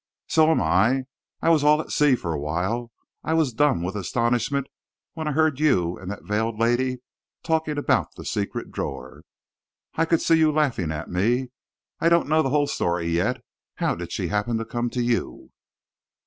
"So am I! I was all at sea for a while I was dumb with astonishment when I heard you and the veiled lady talking about the secret drawer I could see you laughing at me! I don't know the whole story yet. How did she happen to come to you?"